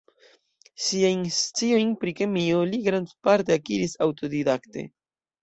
Siajn sciojn pri kemio li grandparte akiris aŭtodidakte.